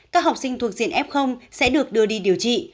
các học sinh thuộc diện f sẽ được đưa đi điều trị